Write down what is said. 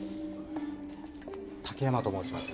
武山と申します。